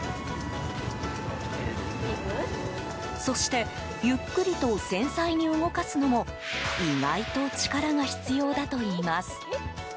そしてゆっくりと繊細に動かすのも意外と力が必要だといいます。